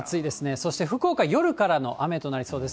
そして福岡、夜からの雨となりそうです。